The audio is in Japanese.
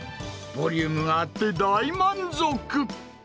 ボリュームがあって大満足。